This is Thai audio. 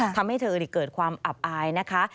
ทำให้เธอเกิดความอับอายนะคะ